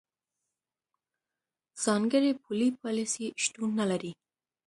ځانګړې پولي پالیسۍ شتون نه لري.